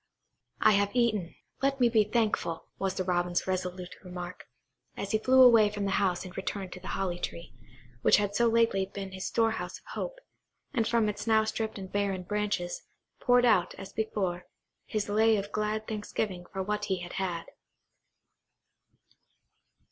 "I have eaten; let me be thankful," was the Robin's resolute remark, as he flew away from the house and returned to the holly tree, which had so lately been his storehouse of hope, and from its now stripped and barren branches, poured out, as before, his lay of glad thanksgiving for what he had had.